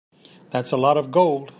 That's a lot of gold.